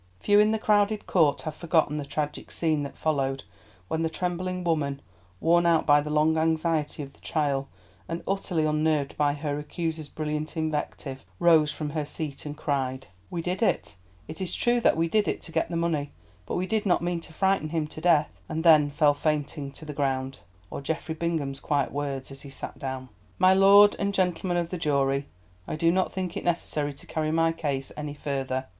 Few in that crowded court have forgotten the tragic scene that followed, when the trembling woman, worn out by the long anxiety of the trial, and utterly unnerved by her accuser's brilliant invective, rose from her seat and cried: "We did it—it is true that we did it to get the money, but we did not mean to frighten him to death," and then fell fainting to the ground—or Geoffrey Bingham's quiet words as he sat down: "My lord and gentlemen of the jury, I do not think it necessary to carry my case any further."